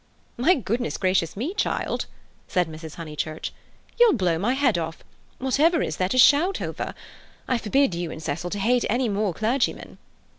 "My goodness gracious me, child!" said Mrs. Honeychurch. "You'll blow my head off! Whatever is there to shout over? I forbid you and Cecil to hate any more clergymen."